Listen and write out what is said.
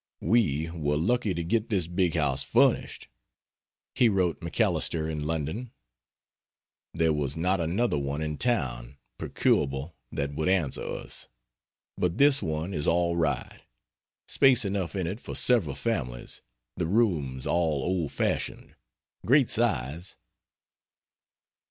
"We were lucky to get this big house furnished," he wrote MacAlister in London. "There was not another one in town procurable that would answer us, but this one is all right space enough in it for several families, the rooms all old fashioned, great size."